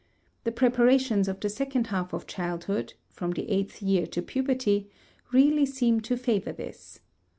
The preparations of the second half of childhood (from the eighth year to puberty) really seem to favor this.